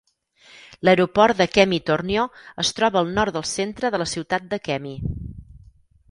L'aeroport de Kemi-Tornio es troba al nord del centre de la ciutat de Kemi.